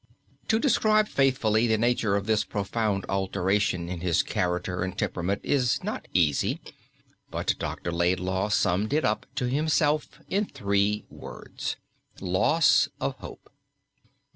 To describe faithfully the nature of this profound alteration in his character and temperament is not easy, but Dr. Laidlaw summed it up to himself in three words: Loss of Hope.